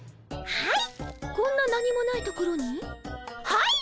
はい！